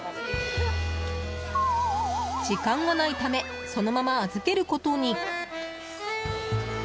時間がないためそのまま預けることに。